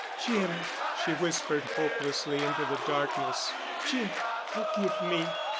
"Jim," she whispered hopelessly into the darkness. "Jim, forgive me!"